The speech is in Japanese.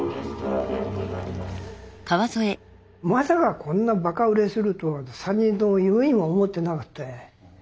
まさかこんなバカ売れするとは３人とも夢にも思ってなくて。